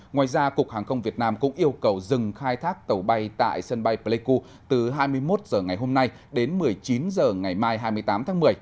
ngoài ra cục hàng không việt nam cũng yêu cầu dừng khai thác tàu bay tại sân bay pleiku từ hai mươi một h ngày hôm nay đến một mươi chín h ngày mai hai mươi tám tháng một mươi